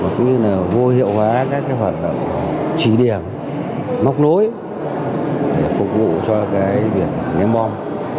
cũng như là vô hiệu hóa các hoạt động trí điểm móc nối để phục vụ cho việc nghe mong